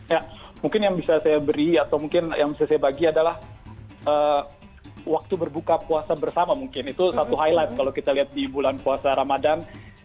ya mungkin yang bisa saya beri atau mungkin yang bisa saya bagi adalah waktu berbuka puasa bersama mungkin itu satu highlight kalau kita lihat di bulan puasa ramadan